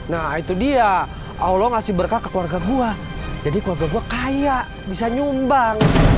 nah itu dia allah ngasih berkah ke keluarga gue jadi keluarga gue kaya bisa nyumbang